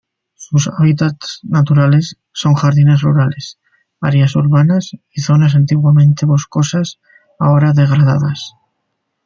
Sus hábitats naturales son jardines rurales, áreas urbanas y zonas antiguamente boscosas ahora degradadas.